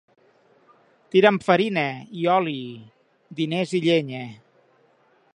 Tira’m farina i oli, diners i llenya.